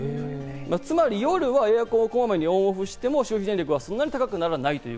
つまり夜はエアコンをこまめにオンオフしても消費電力はそんなに高くならない。